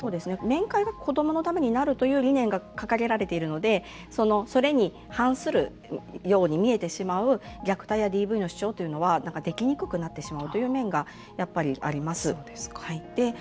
面会が子どものためになるという理念が掲げられているのでそれに反するように見えてしまう虐待やＤＶの主張というのはできにくくなってしまうという面が、やっぱりあります。